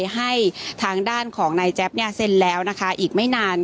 ให้ทางด้านของนายแจ๊บเนี่ยเซ็นแล้วนะคะอีกไม่นาน